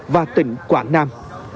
và tỉnh quảng nam